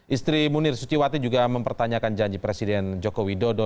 istri munir suciwati juga mempertanyakan janji presiden joko widodo